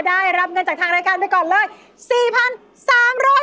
ได้รับเงินจากทางรายการไปก่อนเลย๔๓๐๐บาท